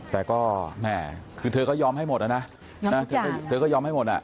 แต่ก็แหมคือเธอก็ยอมให้หมดนะรวมแล้วเท่าไหร่นะ